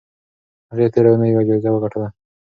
هغې تېره اونۍ یوه جایزه وګټله.